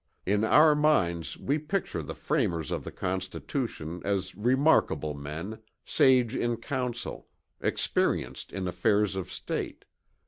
In our minds we picture the framers of the Constitution as remarkable men, sage in council, experienced in affairs of state.